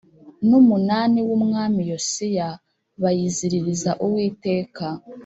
n umunani w umwami yosiya bayiziririza uwiteka